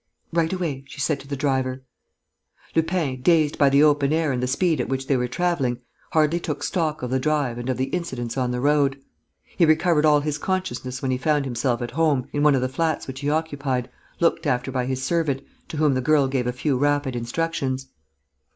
"Right away," she said to the driver. Lupin, dazed by the open air and the speed at which they were travelling, hardly took stock of the drive and of the incidents on the road. He recovered all his consciousness when he found himself at home in one of the flats which he occupied, looked after by his servant, to whom the girl gave a few rapid instructions.